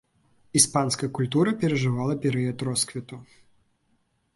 Іспанская культура перажывала перыяд росквіту.